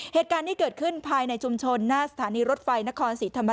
เหตุการณ์นี้เกิดขึ้นภายในชุมชนหน้าสถานีรถไฟนครศรีธรรมราช